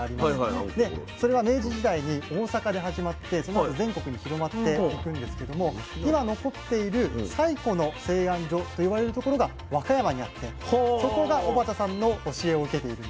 でそれは明治時代に大阪で始まってそのあと全国に広まっていくんですけども今残っている最古の製あん所と呼ばれるところが和歌山にあってそこが小幡さんの教えを受けているんです。